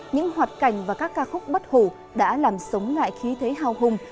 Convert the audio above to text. những hoạt cảnh và các ca khúc bất hủ đã làm sống lại khí thế hào hùng